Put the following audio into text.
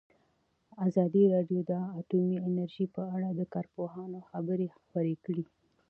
ازادي راډیو د اټومي انرژي په اړه د کارپوهانو خبرې خپرې کړي.